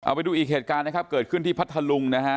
ไปดูอีกเหตุการณ์นะครับเกิดขึ้นที่พัทธลุงนะฮะ